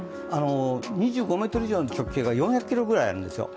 ２５メートルぐらいの直径が４００ｍぐらいあるんですよ。